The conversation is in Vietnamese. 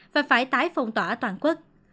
và phải tái phong tỏa toàn quốc